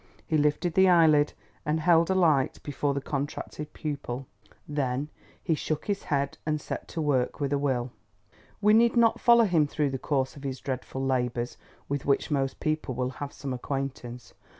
He lifted the eyelid, and held a light before the contracted pupil. Then he shook his head and set to work with a will. We need not follow him through the course of his dreadful labours, with which most people will have some acquaintance.